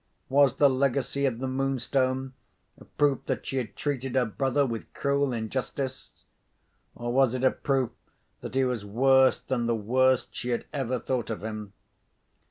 Was the legacy of the Moonstone a proof that she had treated her brother with cruel injustice? or was it a proof that he was worse than the worst she had ever thought of him?